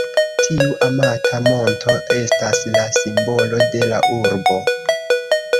Tiu amata monto estas la simbolo de la urbo.